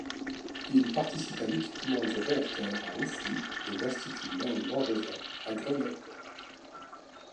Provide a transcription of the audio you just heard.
Il participe à l’équipement du réacteur à haut flux de l'Institut Laue-Langevin à Grenoble.